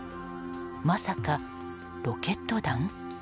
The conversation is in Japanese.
まさかロケット弾？